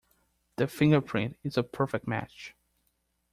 The fingerprint is a perfect match.